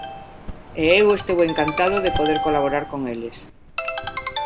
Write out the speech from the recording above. E eu estou encantando de poder colaborar con eles.